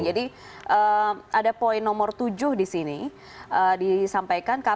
jadi ada poin nomor tujuh di sini disampaikan